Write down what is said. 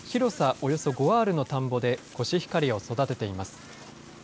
およそ５アールの田んぼでコシヒカリを育てています。